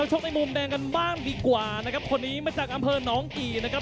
ชกในมุมแดงกันบ้างดีกว่านะครับคนนี้มาจากอำเภอหนองกี่นะครับ